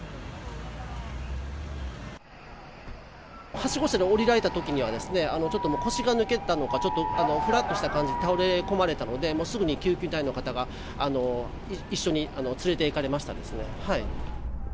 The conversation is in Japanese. はしご車で降りられたときには、ちょっと腰が抜けたのか、ちょっとふらっとした感じ、倒れ込まれられたので、もうすぐに救急隊員の方が一緒に連れていかれましたですね。